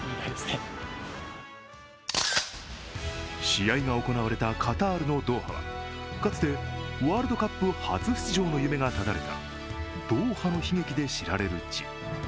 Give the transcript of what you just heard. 試合が行われたカタールのドーハはかつてワールドカップ初出場の夢が絶たれたドーハの悲劇で知られる地。